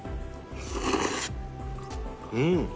うん！